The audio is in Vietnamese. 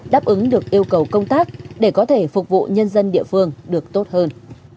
đáp ứng được yêu cầu công tác để có thể phục vụ nhân dân địa phương được tốt hơn